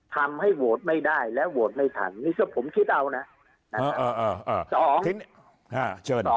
ทำให้โหวตไม่ได้และโหวตไม่ทันนี่ก็ผมคิดเอานะ